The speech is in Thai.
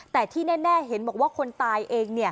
แต่ที่แน่เห็นบอกว่าคนตายเองเนี่ย